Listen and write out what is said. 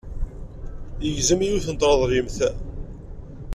Yegzem yiwet n treḍlimt.